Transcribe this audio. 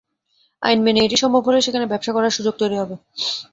আইন মেনে এটি সম্ভব হলে সেখানে ব্যবসা করার সুযোগ তৈরি হবে।